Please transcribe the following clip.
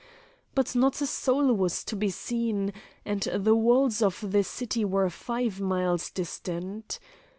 But not a soul was to be seen, and the walls of the city were five miles distant.